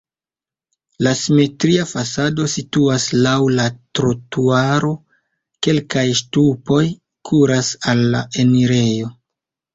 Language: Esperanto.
La simetria fasado situas laŭ la trotuaro, kelkaj ŝtupoj kuras al la enirejo.